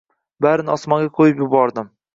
Barini osmonga qo’yib yubordim.